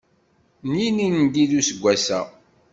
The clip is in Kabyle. N yilindi d useggas-a.